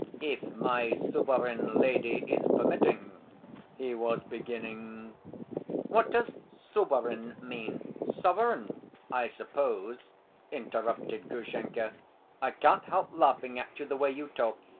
"If my suverin lady is permitting—" he was beginning. "What does 'suverin' mean? 'Sovereign,' I suppose?" interrupted Grushenka. "I can't help laughing at you, the way you talk.